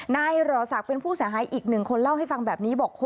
หล่อศักดิ์เป็นผู้เสียหายอีก๑คนเล่าให้ฟังแบบนี้บอก